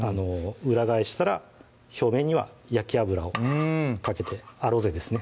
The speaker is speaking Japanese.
裏返したら表面には焼き油をかけてアロゼですね